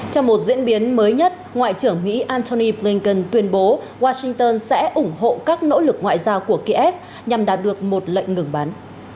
trong một diễn biến mới nhất ngoại trưởng mỹ antony blinken tuyên bố washington sẽ ủng hộ các nỗ lực ngoại giao của kiev nhằm đạt được một lệnh ngừng bắn